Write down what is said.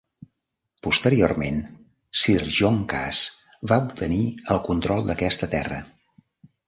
Posteriorment, Sir John Cass va obtenir el control d'aquesta terra.